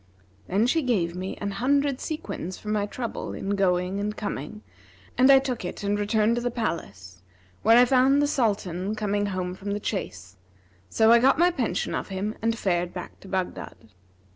'[FN#340] Then she gave me an hundred sequins for my trouble in going and coming and I took it and returned to the palace, where I found the Sultan come home from the chase; so I got my pension of him and fared back to Baghdad.